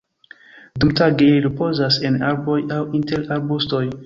Dumtage ili ripozas en arboj aŭ inter arbustoj.